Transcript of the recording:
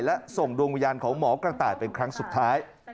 และส่งดวงวิญญาณของหมอกระต่ายเป็นครั้งสุดท้าย